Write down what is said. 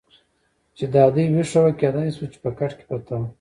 چې دا دې وېښه وه، کېدای شوه چې په کټ کې پرته وه.